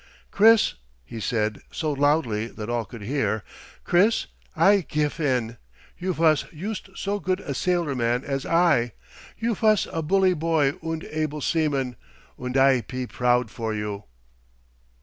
"Chris," he said, so loudly that all could hear, "Chris, I gif in. You vas yoost so good a sailorman as I. You vas a bully boy und able seaman, und I pe proud for you!